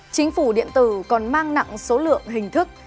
chính phủ điện tử còn mang nặng số lượng hình thức